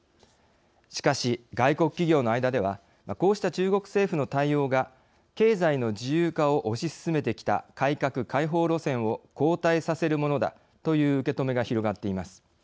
しかし、外国企業の間ではこうした中国政府の対応が経済の自由化を推し進めてきた改革開放路線を後退させるものだという受け止めが広がっています。